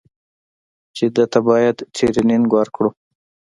چې ده ته بايد ټرېننگ ورکړو.